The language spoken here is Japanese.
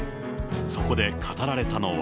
そこで語られたのは。